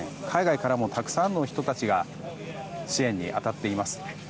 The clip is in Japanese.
海外からもたくさんの人たちが支援に当たっています。